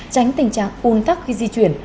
tránh tình trạng un tắc khi di chuyển